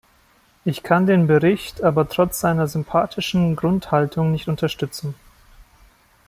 Ich kann den Bericht aber trotz seiner sympathischen Grundhaltung nicht unterstützen.